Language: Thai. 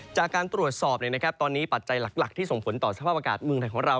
จากการตรวจสอบตอนนี้ปัจจัยหลักที่ส่งผลต่อสภาพอากาศเมืองไทยของเรา